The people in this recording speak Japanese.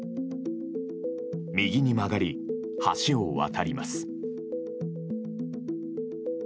右に曲がり、橋を渡ります。